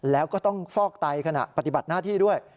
แล้วก็ต้องฟอกไตขณะปฏิบัติหน้าที่ด้วย